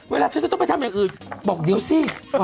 เวลาฉันจะต้องไปทำอย่างอื่นบอกเดี๋ยวสิ